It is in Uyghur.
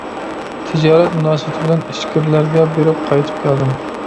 تىجارەت مۇناسىۋىتى بىلەن ئىچكىرىلەرگە بېرىپ قايتىپ كەلدىم.